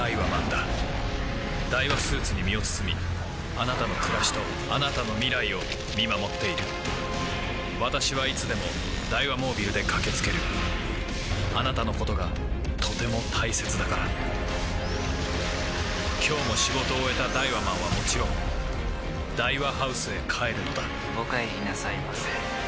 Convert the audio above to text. ダイワスーツに身を包みあなたの暮らしとあなたの未来を見守っている私はいつでもダイワモービルで駆け付けるあなたのことがとても大切だから今日も仕事を終えたダイワマンはもちろんダイワハウスへ帰るのだお帰りなさいませ。